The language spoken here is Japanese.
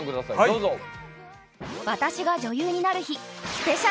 どうぞ「私が女優になる日」